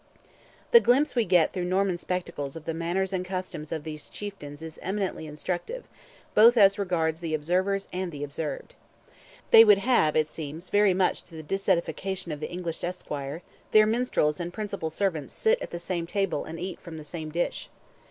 The glimpse we get through Norman spectacles of the manners and customs of these chieftains is eminently instructive, both as regards the observers and the observed. They would have, it seems, very much to the disedification of the English esquire, "their minstrels and principal servants sit at the same table and eat from the same dish."